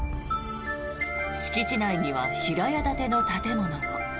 敷地内には平屋建ての建物も。